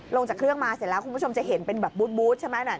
ลงจากเครื่องมาเสร็จแล้วคุณผู้ชมจะเห็นเป็นแบบบูธใช่ไหม